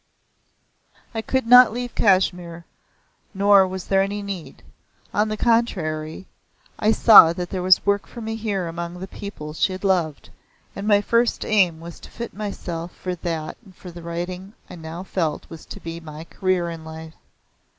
I could not leave Kashmir, nor was there any need. On the contrary I saw that there was work for me here among the people she had loved, and my first aim was to fit myself for that and for the writing I now felt was to be my career in life.